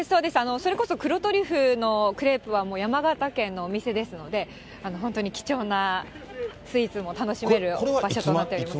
それこそ黒トリュフのクレープは、山形県のお店ですので、本当に貴重なスイーツも楽しめる場所となっております。